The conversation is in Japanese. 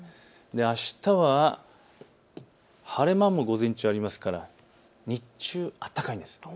あしたは晴れ間も午前中、ありますから日中、暖かいんです。